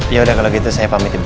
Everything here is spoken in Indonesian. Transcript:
yaudah kalau gitu saya pamit ibu